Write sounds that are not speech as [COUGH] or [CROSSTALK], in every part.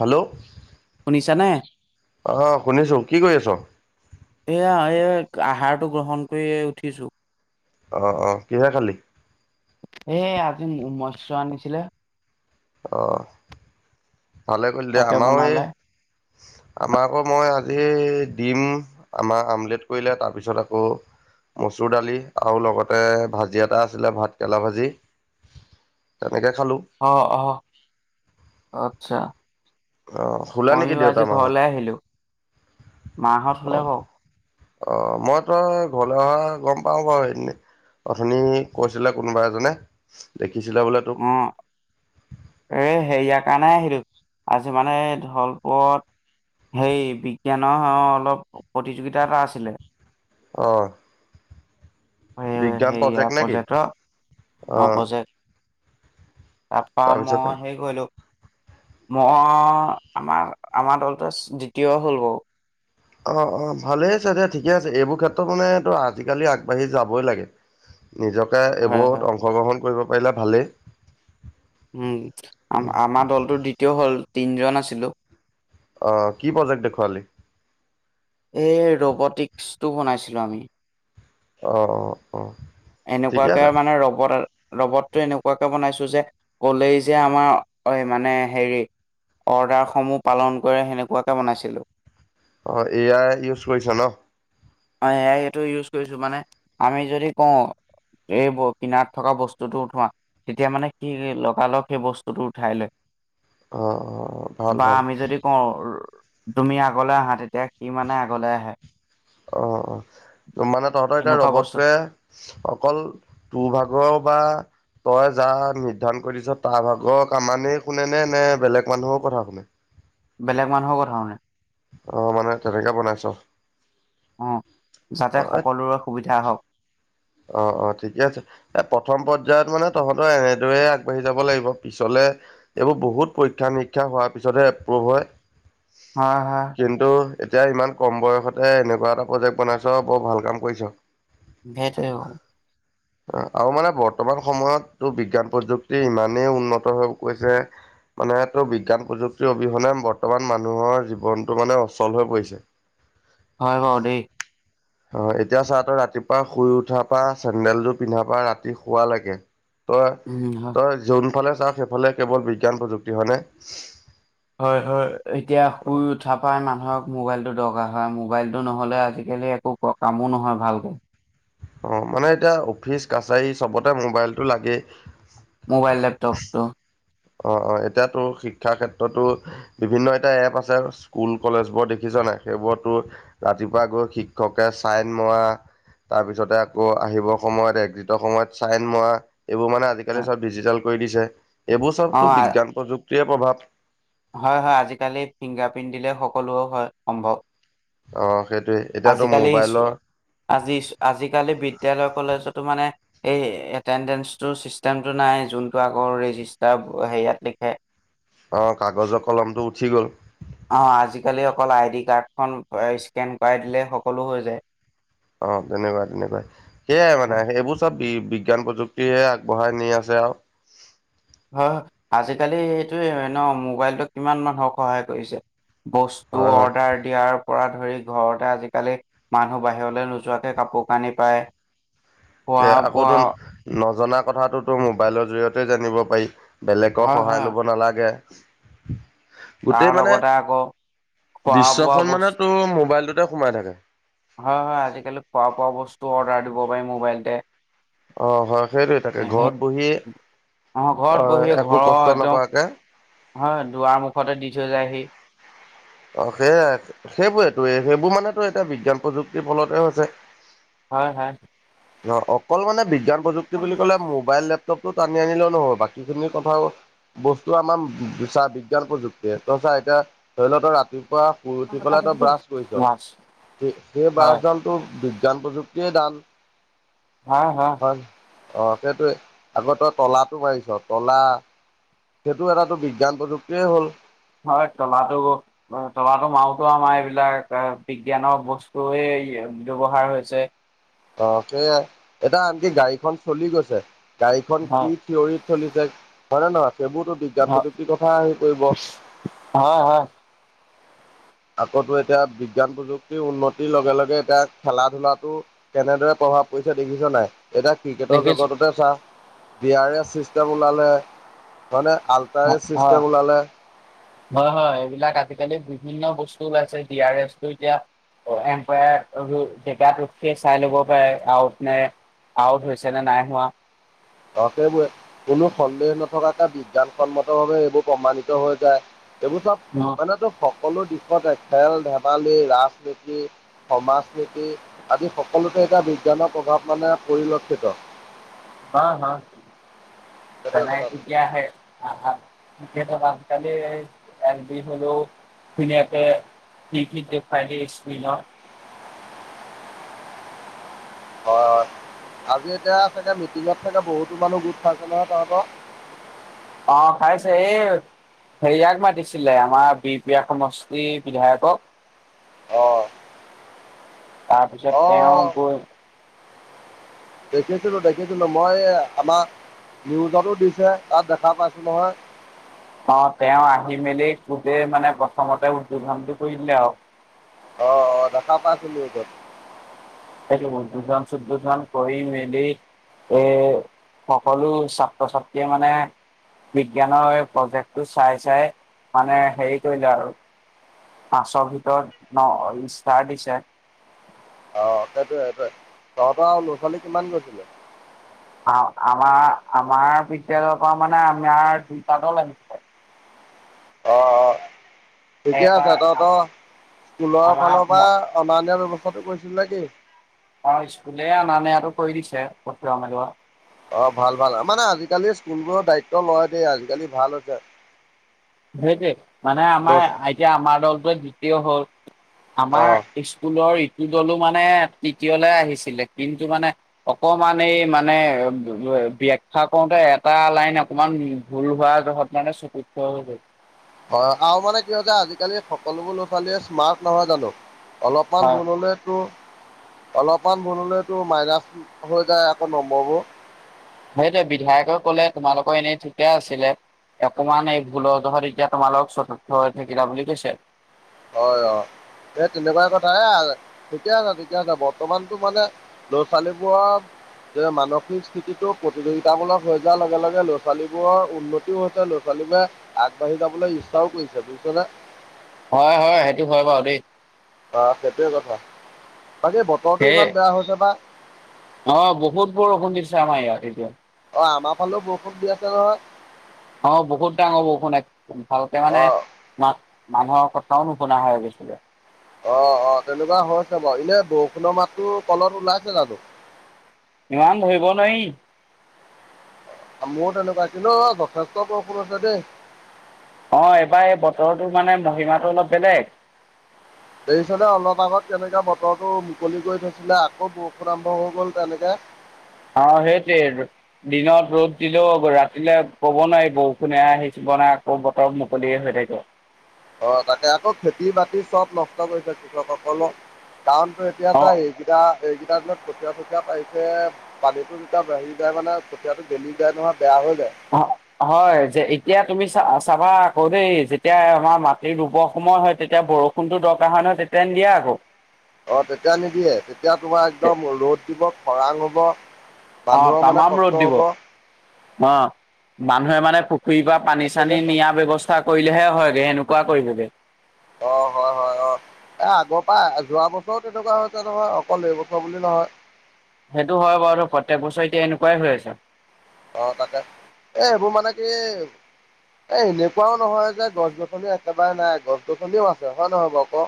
Hello. শুনিছানে? অহ, শুনিছোঁ, কি কৰি আছ'? এয়া এই আহাৰটো গ্ৰহণ কৰি উঠিছোঁ। অ', অ', কিহে খালি? এ আজি মৎস আনিছিলে। অ'। ভালে কৰিলে দে, তাকে আমাৰো বনালে। এই আমাৰ আকৌ মই আজি ডিম আমাৰ আমলেট কৰিলে তাৰপিছত আকৌ মচুৰ দালি আৰু লগতে ভাজি এটা আছিলে, ভাত কেৰেলা ভাজি। তেনেকৈ খালোঁ অহ, অহ, আচ্ছা। অঁ শুলে নেকি ময়ো দেউতা আজি মাহঁত ঘৰলে আহিলোঁ। মাহঁত শুলে বাৰু। অ', মই তই ঘৰলৈ অহা গম পাওঁ বাৰু এনেই। অথনি কৈছিলে কোনোবা এজনে দেখ উম, এই হেৰি ইয়াক কাণাই আহিলো, আজি মানে ধলপুৰত হেৰি, বিজ্ঞানৰ অলপ প্ৰতিযোগিতা এটা আছিলে। অহ। এ বিজ্ঞান হেৰিয়া প্ৰজেক্ট নেকি? প্ৰজেক্টৰ অ অহ। প্ৰজেক্ট তাৰপা মই হেৰি কৰিলোঁ। মই আমাৰ, আমাৰ দলটোৱে দ্বিতীয় হ'ল বাৰু। অ', অ', ভালেই আছে দে, ঠিকেই আছে এইবোৰ ক্ষেত্ৰত মানে তই আজিকালি আগবাঢ়ি যাবই লাগে। নিজকে হয় হয়। এইবোৰত অংশগ্ৰহণ কৰিব পাৰিলে ভালেই। উম, আম-আমাৰ দলটো দ্বিতীয় হ'ল, তিনিজন আছিলোঁ। অহ, কি প্ৰজেক্ট দেখুৱালি? এই ৰ'ব'টিকছটো বনাইছিলোঁ আমি। অ', অ', অ'। ঠিকে এনেকুৱাকে আছে মানে ৰ'বটৰ ৰ'ব'তটো এনেকুৱাকে বনাইছো যে, ক'লেই যে আমাৰ মানে হেৰি অৰ্ডাৰসমূহ পালন কৰে, সেনেকুৱাকে বনাইছিলোঁ। অ', এ আই ইউজ কৰিছা নহ? হয়, এ আই টো ইউজ কৰিছোঁ, মানে আমি যদি কওঁ। এই কিনাৰত থকা বস্তুটো উঠোৱা, তেতিয়া মানে সি লগা লগ সেই বস্তুটো উঠাই লয়। অ ভাল বা ভাল আমি যদি কওঁ তুমি আগলৈ আহা, তেতিয়া সি মানে আগলৈ আহে। অ', অ'। মানে তহঁতৰ এতিয়া এনেকুৱা বস্তু ৰ'ব'তটোৱে অকল তোৰ ভাগৰ বা তই যাক নিৰ্ধাৰণ কৰি দিছ' তাৰ ভাগৰ কামানেই শুনেনে নে বেলেগ মানুহৰ কথা শুনে? বেলেগ মানুহৰো কথা শুনে। অ', মানে তেনেকে বনাইছ'। অ', যাতে অ সকলোৰে সুবিধা হওঁক। অ', অ', ঠিকেই আছে, এ প্ৰথম পৰ্যায়ত মানে তহঁতৰ এনেদৰেই আগবাঢ়ি যাব লাগিব, পিছলে এইবোৰ বহুত পৰীক্ষা নিৰীক্ষা হোৱাৰ পিছতহে এপ্ৰুভ হয়। হয়, হয়। কিন্তু এতিয়া ইমান কম বয়সতে এনেকুৱা এটা প্ৰজেক্ট বনাইছ' বৰ ভাল কাম কৰিছ'। সেইটোৱেও। [INAUDIBLE] আৰু মানে বৰ্তমান সময়ত তোৰ বিজ্ঞান প্ৰযুক্তি ইমানেই উন্নত হৈ গৈছে। মানে তোৰ বিজ্ঞান প্ৰযুক্তিৰ অবিহনে, বৰ্তমান মানুহৰ জীৱনটো মানে অচল হৈ পৰিছে। [INAUDIBLE] হয় বাৰু, দেই। হয়, এতিয়া চা তই ৰাতিপুৱা শুই উঠাৰ পা চেন্দেল যোৰ পিন্ধা পা ৰাতি শুৱালেকে তই, উম, হয়। তই যোনফালে তা সেইফালে কেৱল বিজ্ঞান প্ৰযুক্তি, হয়নে? হয়, হয়, এতিয়া শুই উঠাৰ পৰাই মানুহক মোবাইলটো দৰকাৰ হয়, মোবাইলটো নহ'লে আজিকালি একো কামো নহয় ভালকে। অ', মানে এতিয়া অফিচ কাছাৰী চবতে মোবাইলটো লাগেই। মোবাইল, লেপটপটো। অ অ এতিয়াাতো শিক্ষাৰ ক্ষেত্ৰতো বিভিন্ন এটা এপ আছে স্কুল কলেজ বোৰ দেখিছো সেইবোৰতো ৰাতিপুৱা গৈ শিক্ষকে চাইন মৰা তাৰপিছতে আকৌ আহিবৰ সময়ত একজিটৰ সময়ত চাইন মৰা এইবোৰ মানে আজিকালি অ', চব ডিজিটেল কৰি দিছে এইবোৰ চবতো বিজ্ঞান প্ৰযুক্তিৰে প্ৰভাৱ হয় হয় আজিকালি ফিংগাৰপ্ৰিণ্ট দিলে সকলো হয় সম্ভৱ অ সেইটো আজিকালি আজি আজিকালি বিদ্যালয় কলেজত চিষ্টেমটো নাই, হে অ কাগজৰ কলমটো উঠি গ'ল অ আজিকালি অকল আই ডি কাৰাৰ্ডখন স্কেন কৰাই দিলে সকলো হৈ যায় অ তেনেকুৱা তেনেকুৱাই সেইয়াই মানে হয় সেইবোৰ চব বি বিজ্ঞান প্ৰযুক্তিে আগবঢ়াই নি আছে আৰু হয় আজিকালি এইটোৱে ন মোবাইলটোক কিমান মানুহক সহায় কৰিছে বস্তু হয় হয় অৰ্ডাৰ দিয়াৰ পৰা ধৰি ঘৰতে আজিকালি মানুহ বাহিৰলৈ নোযোৱাকে কাপোৰ কানি পায়। যে খোৱা আকৌ বোৱা তো নজনা কথাটো তো মোবাইলৰ জৰিয়তে জানিব পাৰি। বেলেগক হয় সহায় হয় ল'ব নালাগে তাৰ গোটেই মানে লগতে আকৌ খোৱা বোৱা দৃশ্যখন মানে বস্তু তোৰ মোবাইলটোতে সোমাই থাকে হয় হয় আজিকালি খোৱা বোৱা বস্তু অৰ্ডাৰ দিব পাৰি মোবাইলতে। অহ হয় সেইটোয়ে তাকে ঘৰত বহিযে। অহ ঘৰত বহি ঘৰৰ একদম হয় দুৱাৰ মুখতে দি থৈ যায়। হয় অ সেইয়াই সেইবোৰেতটো সেইবোৰ মানেতো এতিয়া বিজ্ঞান প্ৰযুক্তিৰ ফলতে হৈছে হয় হয়। ন অকল মানে বিজ্ঞান প্ৰযুক্তি বুলি ক'লে মোবাইল এপ। টানি আনিলেও নহব বাকি খিনি কথা বস্তু আমাৰ বিজ্ঞান প্ৰযুক্তিয়ে ত এতিয়া ধৰি লও ত ৰাতি পুৱা শুই উঠি পেলাই তই ব্ৰাছ কৰিছ মাছ সেই হয় ব্ৰাছডাল টো বি। জ্ঞান প্ৰযুক্তিয়ে দান। হা হা হয় অ', সেইটোৱে আগতেই তলাটো মাৰিছ' তলা সেইটো এটাটো বিজ্ঞান প্ৰযুক্তিয়ে হ'ল। হয়, তলাটো তলাটো মাৰোতো আমাৰ এইবিলাক বিজ্ঞানৰ বস্তুৱে এ হি ব্যৱহাৰ হৈছে। অ সেয়াই এতিয়া আনকি গাড়ীখন চলি গৈছে গাড়ীখন কি হয় থিয়ৰি চলি যায় অ হয়নে নহয় সেইবোৰতো বিজ্ঞান হয় প্ৰযুক্তিৰ কথা হেৰি কৰিব হয় হয় আকৌ এতিয়া বিজ্ঞান প্ৰযুক্তিৰ উন্নতিৰ লগে লগে এতিয়া খেলা ধূলাটো কেনেদৰে অহা পইচা দেখিছ নাই এতিয়া ক্ৰিকেটৰ দেখিছো জগততে চা ডি আৰ এছ চিষ্টেম ওলালে হয়নে আল্ট্ৰা অ এজ চিষ্টেম ওলালে হয় হয় এইবিলাক আজি কালি বিভিন্ন বস্তুও আছে ডি আৰ এছ টো এতিয়া অ', এম্পায়াৰ [UNINTELLIGIBLE] জেগাটোত ৰখি চাই ল'ব পাৰে আউট নাই। আউট হৈছে নে নাই হোৱা ক সেইবোৰে কোনো সন্দেহ নথকাকে বিজ্ঞানসন্মত ভাৱে এইবোৰ প্ৰমাণিত হৈ যায় এইবোৰ চব মানেটো সকলো দিশ লগতে খেল ধেমালি ৰাজনীতি সমাজ নীতি আদি সকলোতে এতিয়া বিজ্ঞানৰ প্ৰভাৱ মানে পৰিলক্ষিত। হা হা সেইটোৱে জনাই কথাটো কেতিয়া আহে আ [UNINTELLIGIBLE] আজিকালি এল বি হ'লো ইয়াতে [UNINTELLIGIBLE] [INAUDIBLE] হয় হয় আজি এতিয়া চাগে মিটিঙত চাগে বহুতো মানুহ গোট খাইছে নহয় তহঁতৰ? অ', খাইছে এই হেৰি ইয়াক মাতিছিলে আমাৰ বিহপিয়া সমষ্টিৰ বিধায়কক। অ'। তাৰপিছত তেওঁ অ', গৈ দেখিছিলোঁ, দেখিছিলোঁ মই আমাৰ নিউজতো দিছে তাত দেখা পাইছোঁ নহয়। অ', তেওঁ আহি মেলি গোটে মানে প্ৰথমতে উদ্বোধনটো কৰিলে আৰু। অ', দেখা পাইছোঁ, নিউজত। এ উদ্বোধন, শুদ্বোধন কৰি মেলি এ সকলো ছাত্ৰ-ছাত্ৰীয়ে মানে বিজ্ঞানৰ প্ৰজেক্টটো চাই চাই মানে হেৰি কৰিলে আৰু। পাঁচৰ ভিতৰত ন' ষ্টাৰ দিছে। অ', সেইটোৱে, সেইটোৱে তহঁতৰ ল'ৰা-ছোৱালী কিমান গৈছিলে? আমাৰ আমাৰ [UNINTELLIGIBLE] পৰা মানে আমাৰ [UNINTELLIGIBLE] লাগিছিল [INAUDIBLE] এতিয়া এটা জাতত স্কুলৰ আমাৰ ফালৰ পৰা আমাৰ অনান্য ব্যৱস্থা কথাটো কৰিছিল নে কি অ' স্কুলে অনা নিয়াটো কৰি দিছে, পঠোৱা মেলো। অ' ভাল ভাল, মানে আজিকালি স্কুল বোৰৰ দায়িত্ব লয় দেই, আজিকালি ভাল হৈছে। সেইটোৱে মানে ল'চ আমাৰ এতিয়া আমাৰ দলটোৱে দ্বিতীয় হ'ল। আমাৰ অ', স্কুলৰ দলো মানে তৃতীয়লে আহিছিলে কিন্তু মানে অকমান এই মানে ব্যাখ্যা কৰোতে এটা লাইন অকমান ভুল হোৱা জহত মানে চকুত পও গল। হয় আৰু মানে কি হৈছে আজিকালি সকলোবোৰ ল'ৰা-ছোৱালীয়ে স্মাৰ্ট নহয় জানো। অলপমান হয়। ভুল হলেতো অলপমান ভুল হলেতো মাইনাচ হৈ যায় আকৌ নম্বৰবোৰ- সেইটো বিধায়কে ক'লে তোমালোকৰ এনেই ঠিকেই আছিলে। অকমান এই ভুল জহত এতিয়া তোমালোক চতুৰ্থ হৈ থাকিলা বুলি কৈছে। হয়। অ'হ। এই তেনেকুৱাই কথা এ। ঠিকে আছে। ঠিকে আছে। বৰ্তমানতো মানে ল'ৰা-ছোৱালীবোৰৰ যে মানসিক স্থিতিটো প্ৰতিযোগিতামূলক হৈ যোৱাৰ লগে- লগে ল-ছালীবোৰৰ উন্নতিও হৈছে ল-ছালী [UNINTELLIGIBLE] আগবাঢ়ি যাবলৈ ইচ্ছাও কৰিছে বুজিছনে? হয়। হয়। সেইটো হয় বাৰু দেই। অ সেইটোৱে কথা। বাকী বতৰটো সেই ইমান বেয়া হৈছে বা? অ বহুত বৰষুণ দিছে আমাৰ ইয়াত, এতিয়া। অ' আমাৰ ফালেও বৰষুণ দি আছে নহয়। অ'হ বহুত ডাঙৰ বৰষুণ। এক ভালকে অ মানে মা- মানুহক কথাও নুশুনা হৈ গৈছিলে। অ' অ' তেনেকুৱা হৈছে বাৰু। এনে বৰষুণৰ মাততো কলত ওলাইছে জানো? ইমান ধৰিব নোৱাৰি। মোৰ তেনেকুৱা, কিন্ত যথেষ্ট বৰষুণ হৈছে দেই। অ'হ এইবাৰ এই বতৰটোৰ মানে মহিমাটো অলপ বেলেগ। দেখিছনে অলপ আগত কেনেকে বতৰটো মুকলি কৰি থৈছিলে, আকৌ বৰষুণ আৰম্ভ হৈ গ'ল তেনেকে। [INAUDIBLE] অ সেইটোৱে। দিনত ৰ'দ দিলেও, ৰাতিলে কব নোৱাৰি বৰষুণে আহিছ নে, আকৌ বতৰ মুকলিয়ে হৈ থাকে। অ'হ তাকে আকৌ খেতি-বাতি চব নষ্ট কৰিছে। কৃষকসকলক কাৰণতো এতিয়া অ' চাই এইকেইটা- এইকেই -টা দিনত কঠীয়া -চঠীয়া পাৰিছে। পানীটো যেতিয়া বাহি যায়, মানে কঠীয়াটো গেলি যায় নহয়। বেয়া হৈ যায়। হয়। যে, এতিয়া তুমি চা -চাবা আকৌ দেই যেতিয়া আমাৰ মাটিৰ ৰুব সম সময় হয় তেতিয়া বৰষুণটো দৰকাৰ হয় -নহয় তেতিয়া নিদিয়ে আকৌ। অ'হ তেতিয়া নিদিয়ে। তেতিয়া তোমাৰ একদম ৰ'দ দিব। খৰাং হ'ব। অ'হ মানুহৰ মানে তামাম কষ্ট ৰ'দ দিব। হব অ'হ। মানুহে মানে পুখুৰী পা এ পানী-চানী তেনেকুৱা নিয়াৰ ব্যৱস্থা কৰিলেহে হয়গৈ। সেনেকুৱা কৰিবগে অ হয়। হয়। অ'হ। এ আগৰ পা, যোৱা বছৰো তেনেকুৱা হৈছে, নহয় অকল এইবছৰ বুলি নহয়। সেইটো হয় বাৰু। ধৰ প্ৰত্যেক বছৰ এতিয়া এনেকুৱাই হৈ আছে। অ'হ তাকেহ। এ হেইবোৰ মানে কি এ এনেকুৱাও নহয় যে গছ-গছনি একেবাৰে নাই, গছ-গছনিও আছে। হয় নহয় বাও ক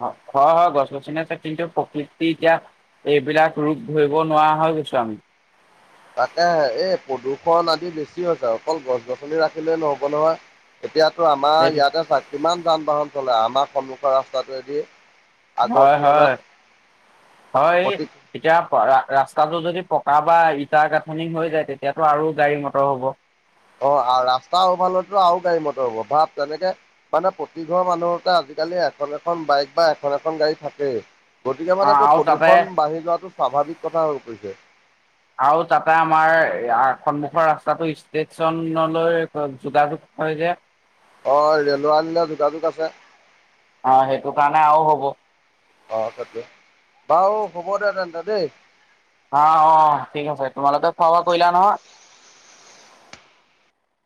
হয়। হয়। গছ-গছনি আছে। কিন্তু প্ৰকৃতি এতিয়া এইবিলাক ৰূপ ধৰিব নোৱাৰা হৈ গৈছো আমি। তাকে এই প্ৰদূষণ আদি বেছি হৈছে। অকল গছ-গছনি ৰাখিলে নহব, নহয়। এতিয়াতো আমাৰ সেইটো ইয়াতে চা কিমান যান-বাহন চলে। আমাৰ সন্মুখৰ ৰাস্তাটোৱেদি আগৰ হয়। হয়। তুলনাত হয়। প্ৰতি এতিয়া ৰাস্তাটো যদি প তা-পৰা ইটাৰ গাঁথনি হৈ যায় তেতিয়াতো আৰু গাড়ী- মটৰ হ'ব। অ' ৰাস্তাৰ আও ভাল হলতো আৰু গাড়ী-মটৰ হব। ভাৱ তেনেকে মানে প্ৰতিঘৰ মানুহতে আজি আজিকালি এখন- এখন বাইক বা এখন -এখন গাড়ী থাকেই। গতিকে অ মানে এইটো আৰু তাতে প্ৰদূষণ বাঢ়ি যোৱাটো স্বাভাৱিক কথা হৈ পৰিছে। আৰু তাতে আমাৰ সন্মুখৰ ৰাস্তাটো ষ্টেচনলৈ যোগাযোগ হয় যে। অ ৰেল আলিলে যোগাযোগ আছে। অ' সেইটো কাৰণে আৰু হ'ব। অ' তাতে, বাৰু হ'ব দে তেন্তে দেই। আহ অ' ঠিক আছে, তোমালোকে খোৱা বোৱা কৰিলা নহয়?